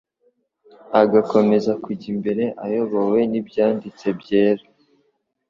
agakomeza kujya mbere, ayobowe n'Ibyanditse Byera